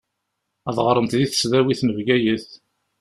Ad ɣṛent di tesdawit n Bgayet.